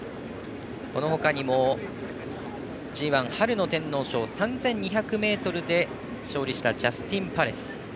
このほかにもＧＩ春の天皇賞３２００ｍで勝利したジャスティンパレス。